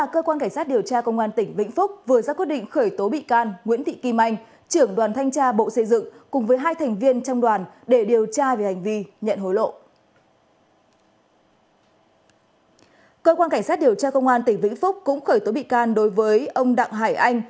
cơ quan cảnh sát điều tra công an tỉnh vĩnh phúc cũng khởi tố bị can đối với ông đặng hải anh